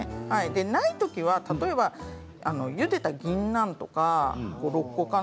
ない時は例えばゆでたぎんなんとか５、６個かな。